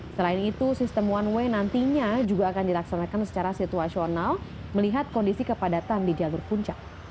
selain itu sistem one way nantinya juga akan dilaksanakan secara situasional melihat kondisi kepadatan di jalur puncak